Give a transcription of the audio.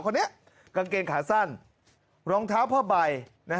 กางเกณฑ์ขาสั้นรองเท้าพ่อใบ